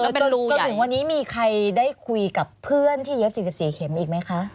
จนถึงวันนี้มีใครได้คุยกับเพื่อนที่เย็บ๔๔เข็มอีกไหมคะ